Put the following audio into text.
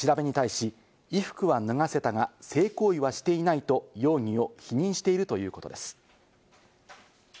調べに対し、衣服は脱がせたが、性行為はしていないと容疑を否認しているということです。